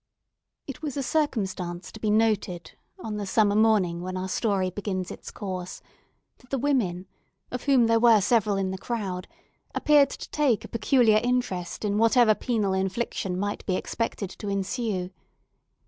It was a circumstance to be noted on the summer morning when our story begins its course, that the women, of whom there were several in the crowd, appeared to take a peculiar interest in whatever penal infliction might be expected to ensue.